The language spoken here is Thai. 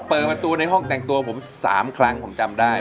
เปิดประตูในห้องแต่งตัวผม๓ครั้งผมจำได้